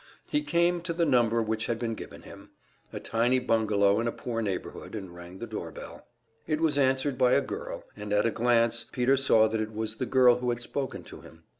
He came to the number which had been given him, a tiny bungalow in a poor neighborhood, and rang the doorbell. It was answered by a girl, and at a glance Peter saw that it was the girl who had spoken to him.